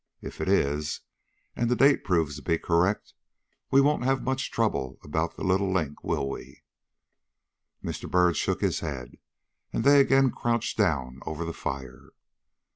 If it is, and the date proves to be correct, we won't have much trouble about the little link, will we?" Mr. Byrd shook his head and they again crouched down over the fire.